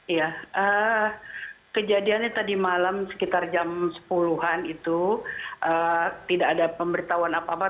iya kejadiannya tadi malam sekitar jam sepuluh an itu tidak ada pemberitahuan apa apa